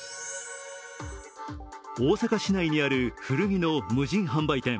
大阪市内にある古着の無人販売店。